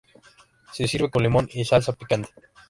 Se sirve con limón y salsa picante.